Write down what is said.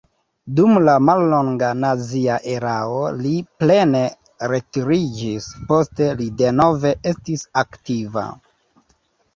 Dum la mallonga nazia erao li plene retiriĝis, poste li denove estis aktiva.